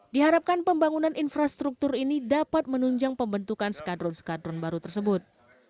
diharapkan pembangunan infrastruktur ini dapat menunjang pembentukan skadron skadron baru tersebut